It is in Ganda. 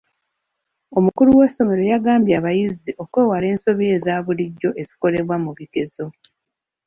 Omukulu w'essomero yagambye abayizi okwewala ensobi eza bulijjo ezikolwa mu bigezo.